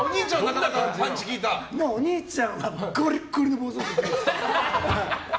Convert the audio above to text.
お兄ちゃんはゴリッゴリの暴走族でした。